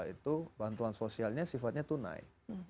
itu bantuan sosialnya sifatnya tunai